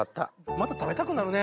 また食べたくなるね